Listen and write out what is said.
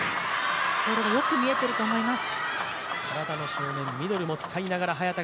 ボールがよく見えていると思います。